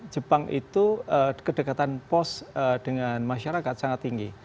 jepang itu kedekatan pos dengan masyarakat sangat tinggi